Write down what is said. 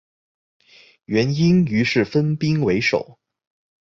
元英于是分兵围守。